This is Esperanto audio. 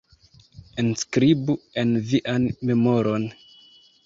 Enskribu en vian memoron.